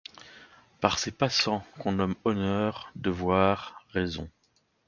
Par ces passants qu'on nomme Honneur, Devoir, Raison